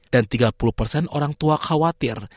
dan tiga puluh orang tua khawatir